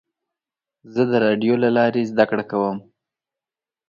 زه د راډیو له لارې زده کړه کوم.